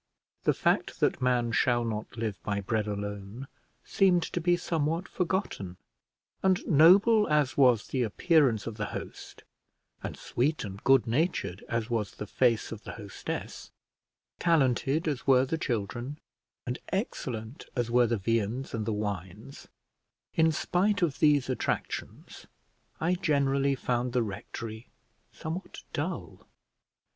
The fact that man shall not live by bread alone seemed to be somewhat forgotten; and noble as was the appearance of the host, and sweet and good natured as was the face of the hostess, talented as were the children, and excellent as were the viands and the wines, in spite of these attractions, I generally found the rectory somewhat dull.